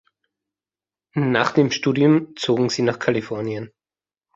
Nach dem Studium zogen sie nach Kalifornien.